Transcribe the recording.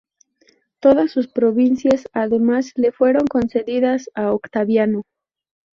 Todas sus provincias, además, le fueron concedidas a Octaviano.